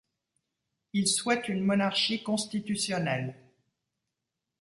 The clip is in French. Il souhaite une monarchie constitutionnelle.